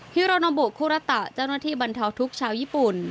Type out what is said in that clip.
ฮิโรนาบุคุระตะเจ้าหน้าที่บรรเทาทุกข์ชาวญี่ปุ่น